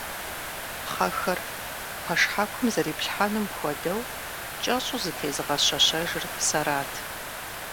Пхъэхэр, пэшхьэкум зэриплъхьэнум хуэдэу, кӀэщӀу зэтезыгъэщэщэжыр сэрат.